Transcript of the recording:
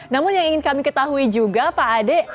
namun yang ingin kami ketahui juga pak ade